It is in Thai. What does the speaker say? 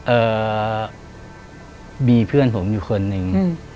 เอ่อมีเพื่อนผมอยู่คนนึง